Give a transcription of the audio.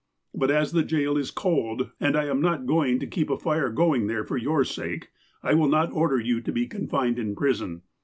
But, as the jail is cold, and I am not goiug to keep a fire going there for your sake, I will not order you to be confined in prison.